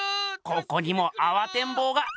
ここにもあわてんぼうが。